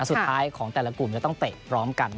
สุดท้ายของแต่ละกลุ่มจะต้องเตะพร้อมกัน